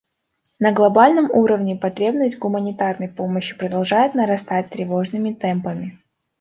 На глобальном уровне потребность в гуманитарной помощи продолжает нарастать тревожными темпами.